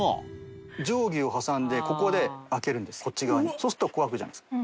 そうするとこう開くじゃないですか。